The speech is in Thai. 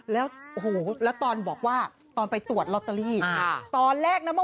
แล้วตอนไปตรวจลอตเตอรี่